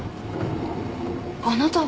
あなたは？